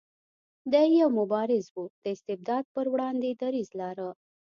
دی یو مبارز و د استبداد په وړاندې دریځ لاره.